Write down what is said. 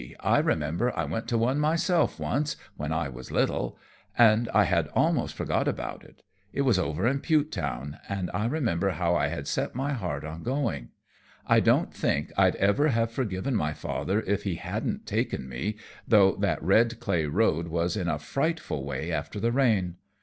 I remember I went to one myself once, when I was little. I had most forgot about it. It was over at Pewtown, an' I remember how I had set my heart on going. I don't think I'd ever forgiven my father if he hadn't taken me, though that red clay road was in a frightful way after the rain.